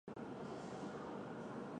球队的宿敌是真格拿拜列治。